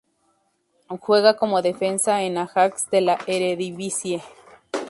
Juega como defensa en Ajax de la Eredivisie.